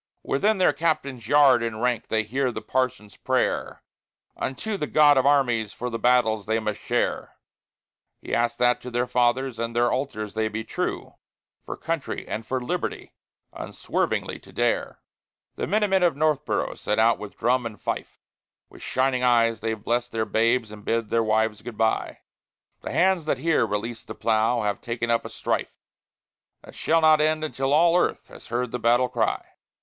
Within their Captain's yard enranked they hear the Parson's prayer Unto the God of armies for the battles they must share; He asks that to their Fathers and their Altars they be true, For Country and for Liberty unswervingly to dare. The Minute Men of Northboro' set out with drum and fife; With shining eyes they've blest their babes and bid their wives good by. The hands that here release the plough have taken up a strife That shall not end until all earth has heard the battle cry.